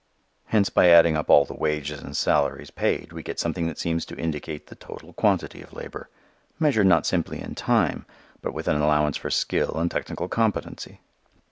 Hence by adding up all the wages and salaries paid we get something that seems to indicate the total quantity of labor, measured not simply in time, but with an allowance for skill and technical competency.